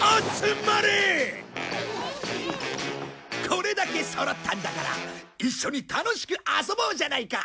これだけそろったんだから一緒に楽しく遊ぼうじゃないか！